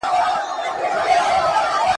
خپل نصیب یم له ازله ستا چړې ته پرې ایستلی ,